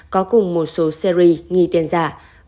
có cùng một số series nghì tiền giả